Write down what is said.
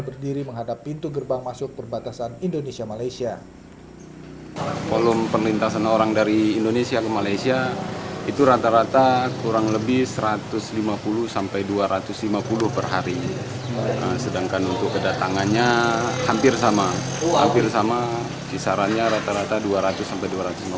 pembangunan di aruk terletak di kecamatan sanjingan besar perbatasan langsung dengan sarawak malaysia